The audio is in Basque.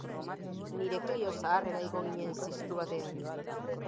Nire Clio zaharrera igo ginen ziztu batean.